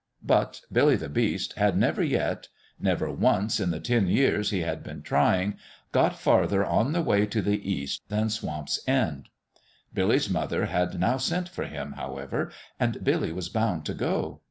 But Billy the Beast had never yet never once in the ten years he had been trying got farther on the way to the East than Swamp's End. Billy's mother had now sent for him, however, and Billy was bound to go.